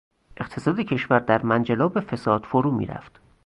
اقتصاد کشور در منجلاب فساد فرو میرفت.